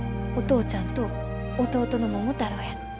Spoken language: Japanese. お父ちゃんと弟の桃太郎や。